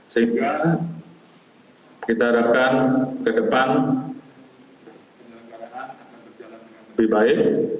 sehingga kita harapkan ke depan penyelenggaraan akan berjalan dengan lebih baik